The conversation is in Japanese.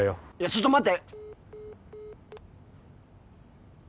ちょっと待って！